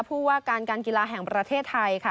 ผู้ว่าการการกีฬาแห่งประเทศไทยค่ะ